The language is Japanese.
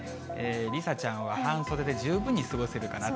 梨紗ちゃんは半袖で十分に過ごせるかなと。